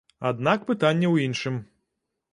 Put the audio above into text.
Аднак пытанне ў іншым.